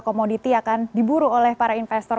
komoditi akan diburu oleh para investor